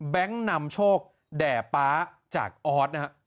แบงค์นำโชคแด่ป๊าจากออสนะครับ